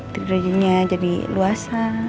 tidurnya jadi luasa